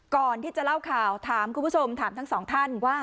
ก่อนที่จะเล่าข่าวถามคุณผู้ชมถามทั้งสองท่านว่า